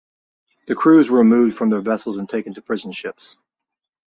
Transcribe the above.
The crews were removed from their vessels and taken to prison ships.